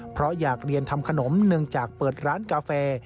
เพราะอยากเรียนทำขนมเนื่องจากเปิดร้านกาแฟ